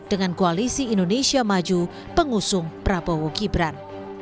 dengan koalisi indonesia maju pengusung prabowo gibran